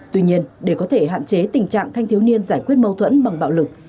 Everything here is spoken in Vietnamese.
tuy nhiên để có thể hạn chế tình trạng thanh thiếu niên giải quyết mâu thuẫn bằng bạo lực